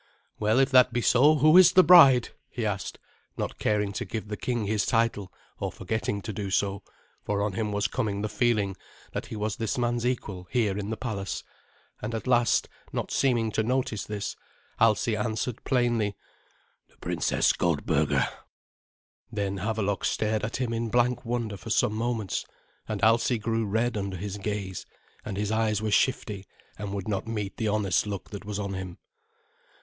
"Well, if that be so, who is the bride?" he asked, not caring to give the king his title, or forgetting to do so, for on him was coming the feeling that he was this man's equal here in the palace. And at last, not seeming to notice this, Alsi answered plainly. "The Princess Goldberga." Then Havelok stared at him in blank wonder for some moments; and Alsi grew red under his gaze, and his eyes were shifty, and would not meet the honest look that was on him.